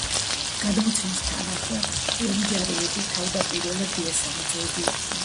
გადმოცემის თანახმად, ლომჯარიები თავდაპირველად დიასამიძეები იყვნენ.